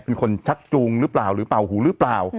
เป็นคนชักจูงหรือเปล่าหรือเป่าหูหรือเปล่า